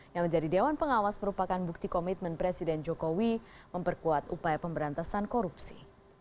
yang menjadi dewan pengawas merupakan bukti komitmen presiden jokowi memperkuat upaya pemberantasan korupsi